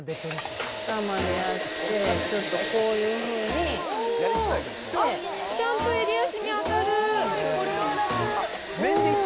頭にやって、ちょっとこういうふちゃんと襟足に当たる。